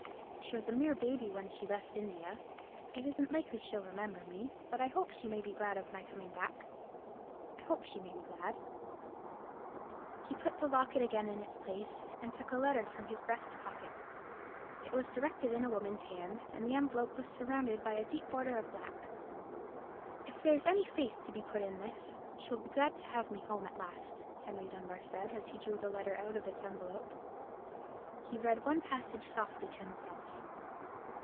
She was a mere baby when she left India. It isn't likely she'll remember me. But I hope she may be glad of my coming back—I hope she may be glad." He put the locket again in its place, and took a letter from his breast pocket. It was directed in a woman's hand, and the envelope was surrounded by a deep border of black. "If there's any faith to be put in this, she will be glad to have me home at last," Henry Dunbar said, as he drew the letter out of its envelope. He read one passage softly to himself.